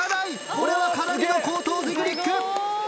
これはかなりの高等テクニック！